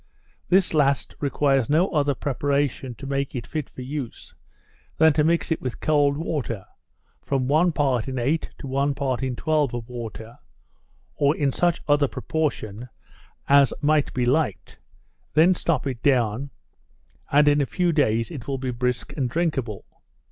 This last requires no other preparation to make it fit for use, than to mix it with cold water, from one part in eight to one part in twelve of water, (or in such other proportion as might be liked,) then stop it down, and in a few days it will be brisk and drinkable.